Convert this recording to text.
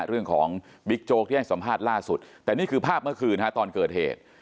บิ๊กโจ๊กที่ให้สัมภาษณ์ล่าสุดแต่นี่คือภาพเมื่อคืนฮะตอนเกิดเหตุ